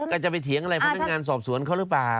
ก็จะไปเถียงอะไรพนักงานสอบสวนเขาหรือเปล่า